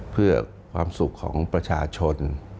เพื่อความสุขของประชาชน